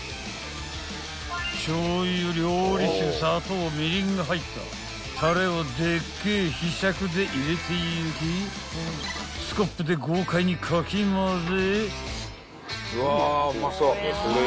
［しょうゆ料理酒砂糖みりんが入ったたれをでっけえひしゃくで入れていきスコップで豪快にかき混ぜ］